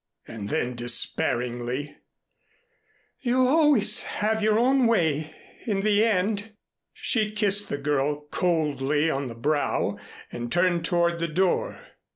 And then despairingly: "You always have your own way, in the end." She kissed the girl coldly on the brow and turned toward the door.